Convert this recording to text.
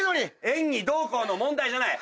演技どうこうの問題じゃない。